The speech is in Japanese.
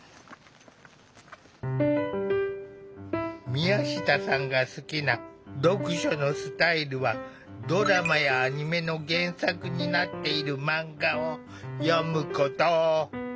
宮下さんが好きな読書のスタイルはドラマやアニメの原作になっているマンガを読むこと。